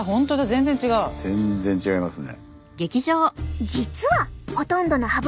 全然違いますね。